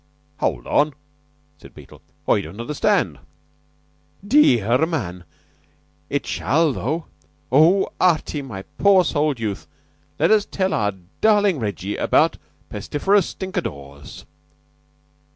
"Hold on," said Beetle. "I don't understand." "Dearr man! It shall, though. Oh, Artie, my pure souled youth, let us tell our darling Reggie about Pestiferous Stinkadores."